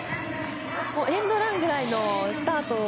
エンドランぐらいのスタートを